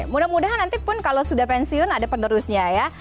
mudah mudahan nanti pun kalau sudah pensiun ada penerusnya ya